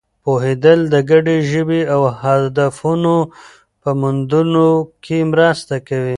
پوهېدل د ګډې ژبې او هدفونو په موندلو کې مرسته کوي.